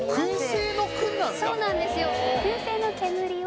そうなんですよ